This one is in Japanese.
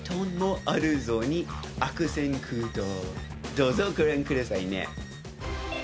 どうぞご覧くださいね。